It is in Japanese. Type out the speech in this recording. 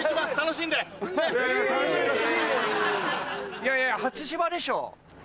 いやいや初島でしょ？